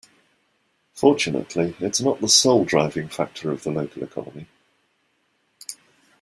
Fortunately its not the sole driving factor of the local economy.